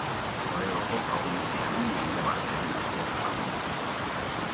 Toledoko probintziaren mendebaldean dago kokatuta.